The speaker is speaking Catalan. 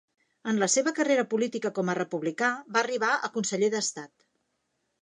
En la seva carrera política com a republicà va arribar a Conseller d'Estat.